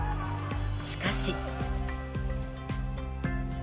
しかし。